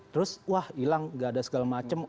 terus wah hilang gak ada segala macam